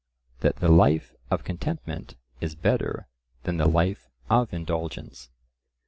that the life of contentment is better than the life of indulgence.